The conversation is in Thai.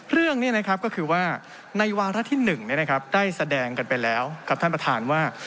เรื่องนี้นะครับก็คือว่าในวาระที่๑ได้แสดงกันไปแล้วกับท่านประธานว่า